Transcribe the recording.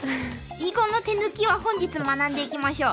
囲碁の手抜きは本日学んでいきましょう。